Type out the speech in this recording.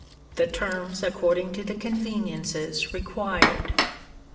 The terms according to the conveniences required.